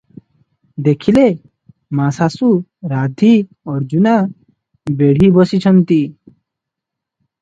ଦେଖିଲେ ମାଶାଶୁ, ରାଧୀ, ଅର୍ଜୁନା ବେଢ଼ି ବସିଛନ୍ତି ।